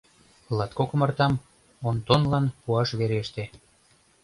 Латкок омартам Онтонлан пуаш вереште.